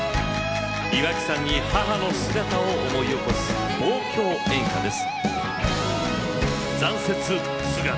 岩木山に母の姿を思い起こす望郷演歌です。